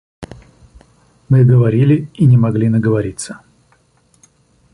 Мы говорили и не могли наговориться.